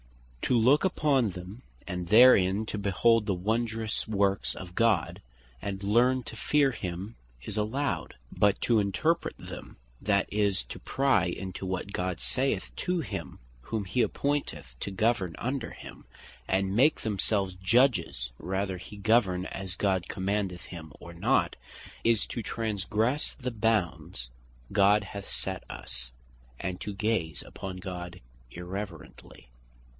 To look upon them and therein to behold the wondrous works of God, and learn to fear him is allowed; but to interpret them; that is, to pry into what God saith to him whom he appointeth to govern under him, and make themselves Judges whether he govern as God commandeth him, or not, is to transgresse the bounds God hath set us, and to gaze upon God irreverently.